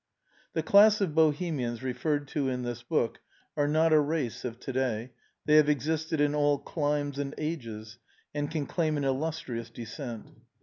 The class of Bohemians referred to in this book are not a race of to day, they have existed in all climes and ages, and can claim an illustrious descent.